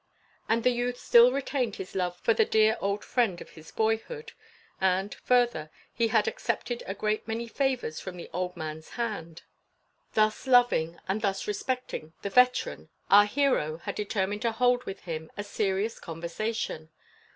And the youth still retained his love for the dear old friend of his boyhood: and, further, he had accepted a great many favors from the old man's hand. Thus loving, and thus respecting, the veteran, our hero had determined to hold with him a serious conversation.